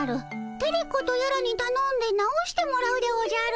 テレ子とやらにたのんで直してもらうでおじゃる。